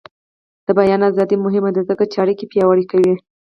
د بیان ازادي مهمه ده ځکه چې اړیکې پیاوړې کوي.